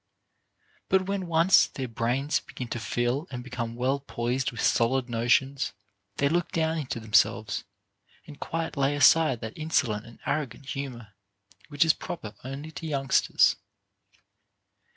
But when once their brains begin to fill and become well poised with solid notions, they look down into themselves, and quite lay aside that insolent and arrogant humor, which is proper only to youngsters.